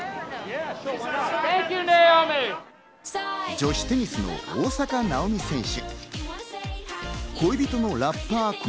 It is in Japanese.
女子テニスの大坂なおみ選手。